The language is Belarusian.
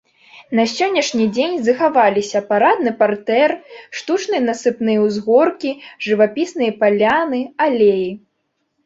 На сённяшні дзень захаваліся парадны партэр, штучныя насыпныя ўзгоркі, жывапісныя паляны, алеі.